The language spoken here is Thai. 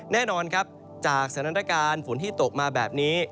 แน่นอนครับจากสถานการณ์ฝนที่ตกมาแบบนี้